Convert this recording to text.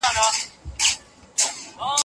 د جرمني په هوايي ډګر کې امنيتي تدابير ډېر سخت وو.